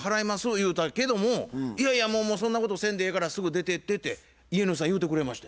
言うたけども「いやいやもうそんなことせんでええからすぐ出てって」って家主さん言うてくれました。